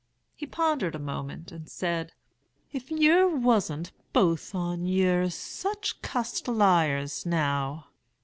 He pondered a moment, and said, 'If yer wasn't both on yer such cussed liars, now!'